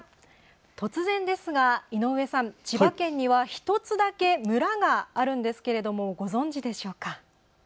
突然ですが井上さん、千葉県には１つだけ村があるんですけれどもご存じでしょうか。